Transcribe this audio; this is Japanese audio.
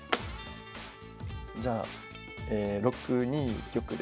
じゃあ６二玉で。